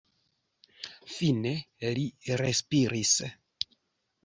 Fine li respiris.